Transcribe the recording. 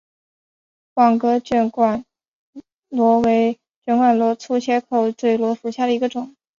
网格卷管螺为卷管螺科粗切嘴螺属下的一个种。